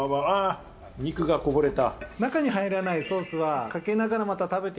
肉がこぼれた。